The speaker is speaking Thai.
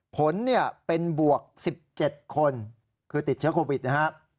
ผลเนี่ยเป็นบวก๑๗คนคือติดเชื้อโควิดนะครับ